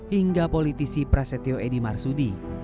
hingga politisi prasetyo edy marsudi